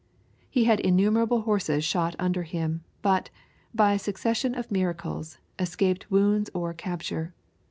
He had innumerable horses shot under him, but, by a succession of miracles, escaped wounds or capture.